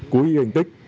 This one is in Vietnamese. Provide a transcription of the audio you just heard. cúi ghen tích